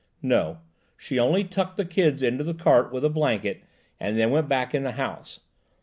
"No, she only tucked the kids into the cart with a blanket, and then went back to the house.